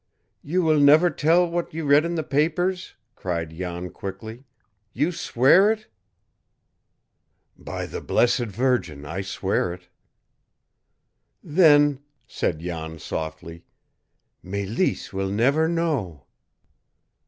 "You will never tell what you read in the papers?" cried Jan quickly. "You swear it?" "By the blessed Virgin, I swear it!" "Then," said Jan softly, "Mélisse will never know!"